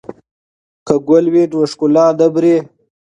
که ګل وي نو ښکلا نه مري.